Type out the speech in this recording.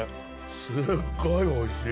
すっごいおいしい。